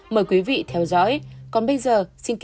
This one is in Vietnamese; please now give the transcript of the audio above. mời quý vị theo dõi còn bây giờ xin kính chào và hẹn gặp lại